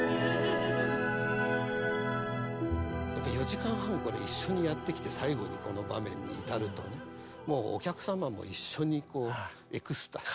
４時間半これ一緒にやってきて最後にこの場面に至るとねもうお客様も一緒にこうエクスタシー。